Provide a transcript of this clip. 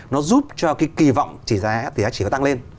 nó giúp cho cái kỳ vọng tỉ giá chỉ có tăng lên